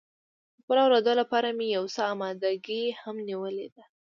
د خپلو اولادو لپاره مې یو څه اماده ګي هم نیولې ده.